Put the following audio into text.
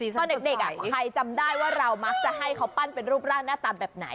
ตอนเด็กใครจำได้ว่าเรามักจะให้เขาปั้นเป็นรูปร่างหน้าตาแบบไหน